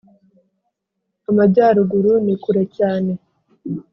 Amajyaruguru ni kure cyane